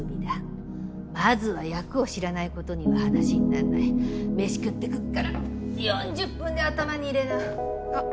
まずは役を知らないことには話にならないメシ食って来っから４０分で頭に入れなあっ